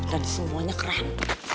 dan semuanya keren